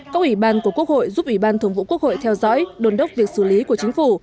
các ủy ban của quốc hội giúp ủy ban thường vụ quốc hội theo dõi đồn đốc việc xử lý của chính phủ